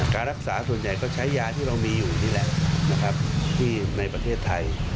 การรักษาส่วนใหญ่ก็ใช้ยาที่เรามีอยู่นี่แหละนะครับที่ในประเทศไทย